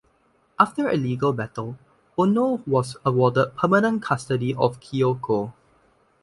After a legal battle, Ono was awarded permanent custody of Kyoko.